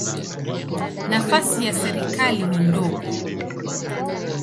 Nafasi ya serikali ni ndogo.